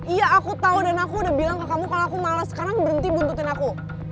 iya aku tahu dan aku udah bilang ke kamu kalau aku malah sekarang berhenti buntutin aku